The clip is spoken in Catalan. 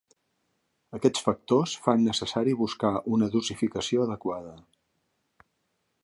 Aquests factors fan necessari buscar una dosificació adequada.